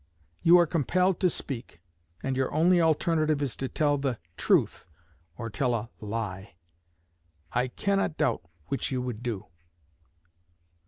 You are compelled to speak; and your only alternative is to tell the truth or tell a lie. I cannot doubt which you would do."